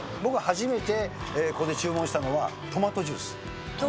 僕が初めてここで注文したのは、トマトジュース。